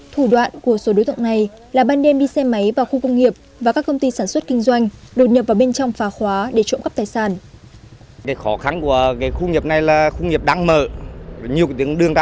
thủ đoạn của số đối tượng này là ban đêm đi xe máy vào khu công nghiệp